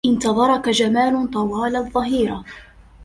انتظرك جمال طوال الظهيرة.